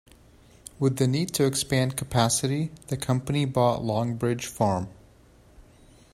With the need to expand capacity, the company bought Longbridge farm.